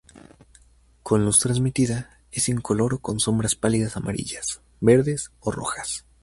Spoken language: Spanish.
Con luz transmitida, es incoloro con sombras pálidas amarillas, verdes o rojas.